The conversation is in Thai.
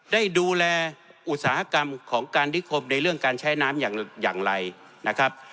ได้ดูแลอุตสาหกรรมของการนิคมในเรื่องการใช้น้ำอย่างไรนะครับ